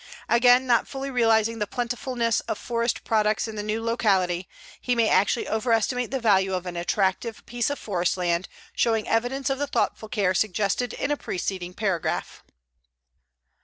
Again, not fully realizing the plentifulness of forest products in the new locality, he may actually overestimate the value of an attractive piece of forest land showing evidence of the thoughtful care suggested in a preceding paragraph.